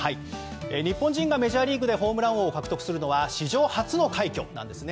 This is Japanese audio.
日本人がメジャーリーグでホームラン王を獲得するのは史上初の快挙なんです。